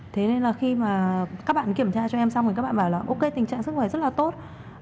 thế nên là khi mà các bạn kiểm tra cho em xong thì các bạn bảo là ok tình trạng sức khỏe rất là tốt